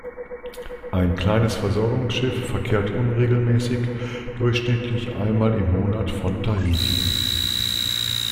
Ein kleines Versorgungsschiff verkehrt unregelmäßig, durchschnittlich einmal im Monat, von Tahiti.